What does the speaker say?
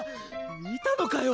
いたのかよ！